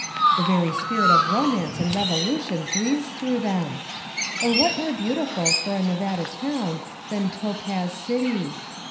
The very spirit of romance and revolution breathes through them ! Or what more beautiful for a Nevada town than Topaz City?